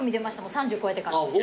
３０超えてから。